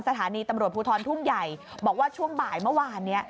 สถานีตำรวจภูทรทุ่งใหญ่บอกว่าช่วงบ่ายเมื่อวานนี้